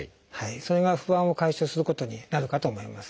それが不安を解消することになるかと思います。